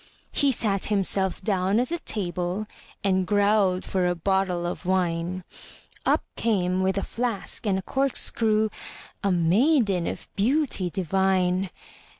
He sat himself down at a table, And growled for a bottle of wine; Up came with a flask and a corkscrew A maiden of beauty divine.